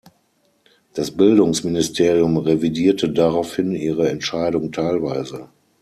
Das Bildungsministerium revidierte daraufhin ihre Entscheidung teilweise.